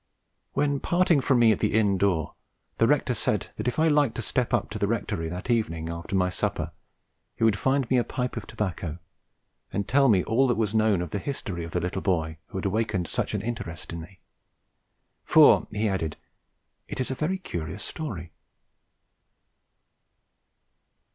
When parting from me at the inn door, the rector said that if I liked to step up to the rectory that evening after my supper he would find me a pipe of tobacco, and tell me all that was known of the history of the little boy who had awakened such an interest in me, for, he added, "it is a very curious story."